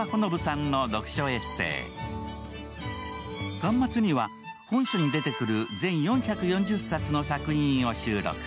巻末には本書に出てくる全４４０冊の作品を収録。